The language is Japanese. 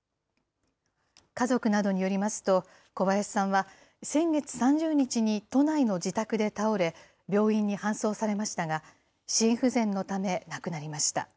家族などによりますと、小林さんは先月３０日に都内の自宅で倒れ、病院に搬送されましたが、心不全のため亡くなりました。